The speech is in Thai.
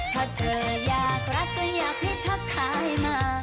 ถ้าเธออยากรักก็อยากให้ทักทายมา